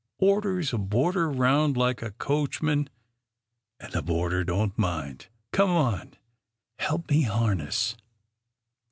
" Orders a boarder round like a coachman, and the boarder don't mind — Come on, help me harness."